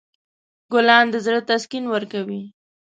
ګلان د زړه تسکین ورکوي.